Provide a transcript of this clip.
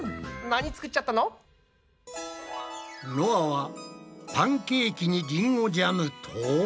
なに作っちゃったの？のあはパンケーキにリンゴジャムと。